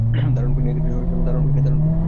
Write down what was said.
দারুণ, ফিনি!